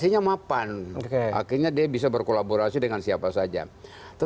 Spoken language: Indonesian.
iya nanti kita bicara satu satu